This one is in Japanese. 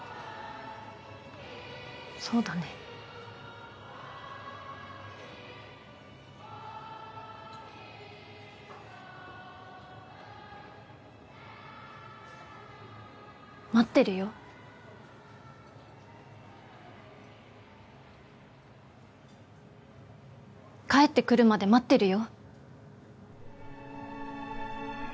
そうだね待ってるよ帰ってくるまで待ってるよ